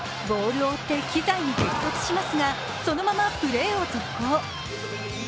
ボールを追って機材に激突しますがそのままプレーを続行。